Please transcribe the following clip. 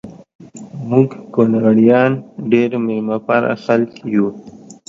مونږ کونړیان ډیر میلمه پاله خلک یو